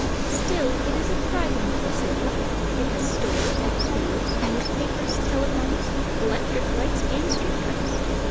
Still, it is a thriving little city. It has stores, schools, newspapers, telephones, electric lights, and street car s.